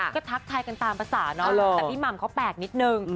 ก็ทักทายกันตามภาษาเนาะแต่พี่หม่ำเขาแปลกนิดนึง